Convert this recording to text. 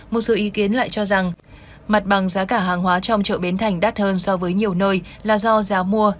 một số ý kiến lại cho rằng mặt bằng giá cả hàng hóa trong chợ bến thành đắt hơn so với nhiều nơi là do giá mua